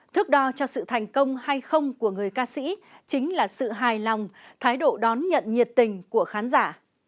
thước đo cho sự thành công hay không của người ca sĩ chính là sự hài lòng thái độ đón nhận nhiệt tình của khán giả